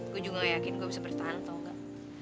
gue juga nggak yakin gue bisa bertahan tau nggak